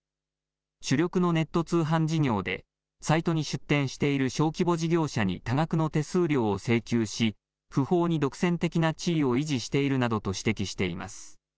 主力のネット通販事業でサイトに出店している小規模事業者に多額の手数料を請求し不法に独占的な地位を維持しているなどと指摘しています。